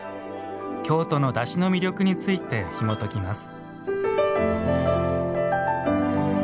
京都のだしの魅力についてひもときます。